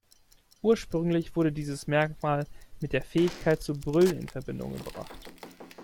Ursprünglich wurde dieses Merkmal mit der Fähigkeit zu brüllen in Verbindung gebracht.